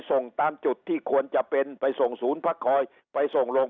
ส่งตามจุดที่ควรจะเป็นไปส่งศูนย์พักคอยไปส่งลง